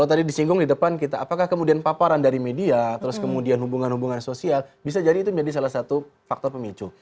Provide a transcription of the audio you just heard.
jadi itu memang di depan kita apakah kemudian paparan dari media terus kemudian hubungan hubungan sosial bisa jadi itu menjadi salah satu faktor pemicu